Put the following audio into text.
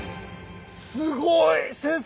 すごい！先生！